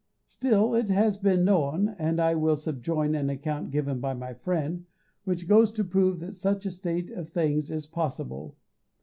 Still it has been known, and I will subjoin an account given me by a friend, which goes to prove that such a state of things is possible.